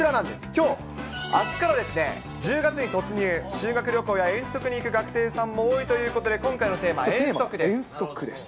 きょう、あすから１０月に突入、修学旅行や遠足に行く学生さんも多いということで、今回のテーマは遠足です。